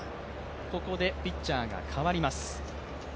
ここでピッチャーがかわります。